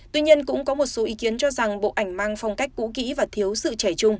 tuy nhiên cũng có một số ý kiến cho rằng bộ ảnh mang phong cách cũ kỹ và thiếu sự trẻ trung